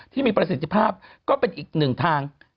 ที่มีประสิทธิภาพก็เป็นอีกหนึ่งทาง